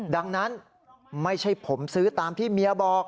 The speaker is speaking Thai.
ดังนั้นไม่ใช่ผมซื้อตามที่เมียบอก